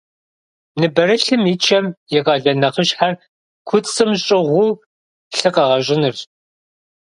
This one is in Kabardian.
Ныбэрылъым и чэм и къалэн нэхъыщхьэр куцӏым щӏыгъуу лъы къэгъэщӏынырщ.